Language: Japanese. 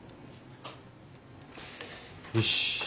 よし。